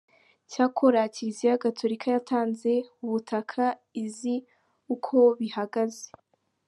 Cyakora Kiliziya Gaturika yatanze ubutaka izi uko bihagaze.